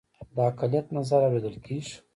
د اقلیت نظر اوریدل کیږي